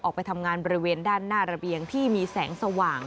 ออกไปทำงานบริเวณด้านหน้าระเบียงที่มีแสงสว่าง